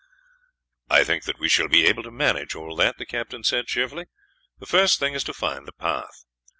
"I think that we shall be able to manage all that," the captain said cheerfully. "The first thing is to find the path.